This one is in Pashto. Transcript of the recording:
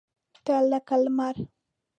تۀ لکه لمر !